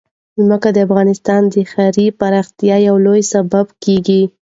ځمکه د افغانستان د ښاري پراختیا یو لوی سبب کېږي.